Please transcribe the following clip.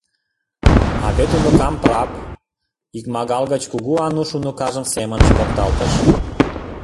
— А вет уныкам прап, — икмагал гыч Кугу Ануш уныкажым семынже мокталтыш.